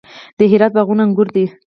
د هرات باغونه انګور دي